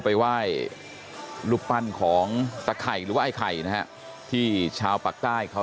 ไปไหว้รูปปั้นของตะไข่หรือว่าไอ้ไข่นะฮะที่ชาวปากใต้เขา